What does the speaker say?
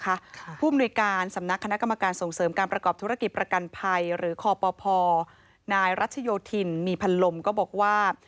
ผู้มนุยการสำนักคณะกรรมการส่งเสริมการประกอบธุรกิจประกันภัยหรือคปนายรัชโยธินมีพันลมก็บอกว่า